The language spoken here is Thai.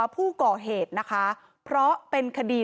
ผู้ก่อเหตุนะคะเพราะเป็นคดี